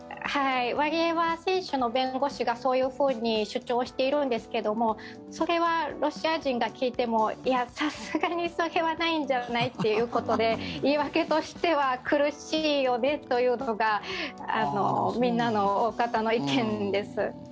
ワリエワ選手の弁護士がそういうふうに主張しているんですけどもそれはロシア人が聞いてもいや、さすがにそれはないんじゃないっていうことで言い訳としては苦しいよねというのがみんなの大方の意見です。